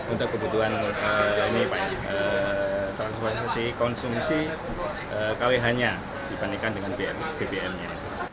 untuk kebutuhan konsumsi kawihannya dibandingkan dengan bbm nya